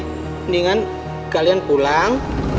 mendingan kalian pulang